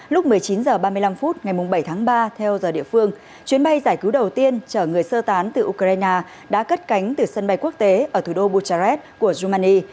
lúc một mươi chín h ba mươi năm phút ngày bảy tháng ba theo giờ địa phương chuyến bay giải cứu đầu tiên chở người sơ tán từ ukraine đã cất cánh từ sân bay quốc tế ở thủ đô buchares của rumani